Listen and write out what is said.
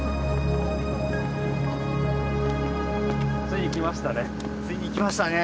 ついにきましたね。